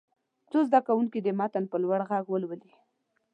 څو زده کوونکي دې متن په لوړ غږ ولولي.